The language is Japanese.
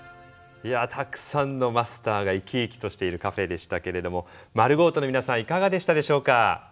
いやたくさんのマスターが生き生きとしているカフェでしたけれどもｍａｒｕｇｏ−ｔｏの皆さんいかがでしたでしょうか？